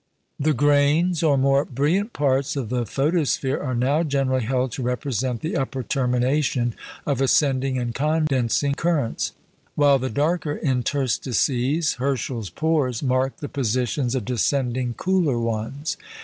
The "grains," or more brilliant parts of the photosphere, are now generally held to represent the upper termination of ascending and condensing currents, while the darker interstices (Herschel's "pores") mark the positions of descending cooler ones.